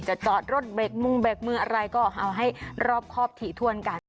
จอดรถเบรกมุงเบรกมืออะไรก็เอาให้รอบครอบถี่ถ้วนกัน